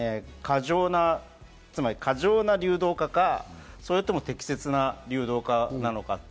つまり、過剰な流動化か、それとも適切な流動化なのか。